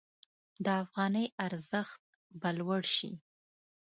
د افغانۍ ارزښت به لوړ شي.